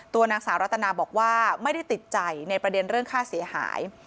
นางสาวรัตนาบอกว่าไม่ได้ติดใจในประเด็นเรื่องค่าเสียหาย